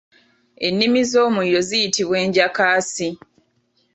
Ennimi z’omuliro ziyitibwa Enjakaasi.